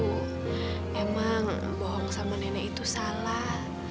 emang bohong sama nenek itu salah